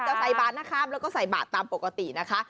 ใส่บาทนะครับแล้วก็ใส่บาทตามปกตินะคะ